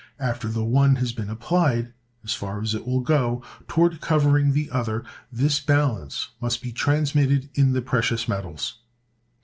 After the one has been applied, as far as it will go, toward covering the other, the balance must be transmitted in the precious metals.